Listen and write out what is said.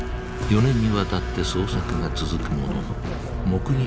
４年にわたって捜索が続くものの目撃